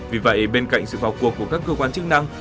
vì vậy bên cạnh sự vào cuộc của các cơ quan chức năng